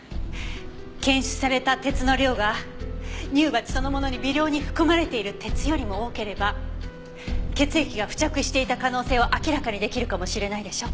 検出された鉄の量が乳鉢そのものに微量に含まれている鉄よりも多ければ血液が付着していた可能性を明らかに出来るかもしれないでしょ？